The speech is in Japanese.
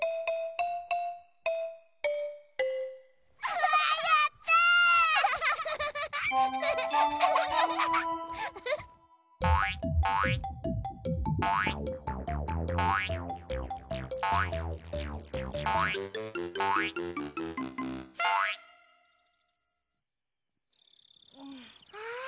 うわあやった！ああ！